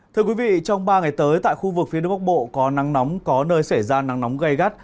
thưa quý vị trong ba ngày tới tại khu vực phía đông bắc bộ có nắng nóng có nơi xảy ra nắng nóng gây gắt